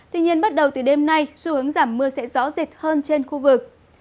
tuy nhiên bắt đầu từ đêm nay xu hướng giảm mưa sẽ rõ rệt hơn trên khu vực